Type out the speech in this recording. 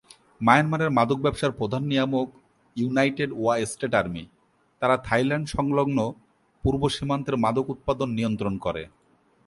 মায়ানমারের মাদক ব্যবসার প্রধান নিয়ামক ইউনাইটেড ওয়া স্টেট আর্মি, তারা থাইল্যান্ড সংলগ্ন পূর্ব সীমান্তের মাদক উৎপাদন নিয়ন্ত্রণ করে।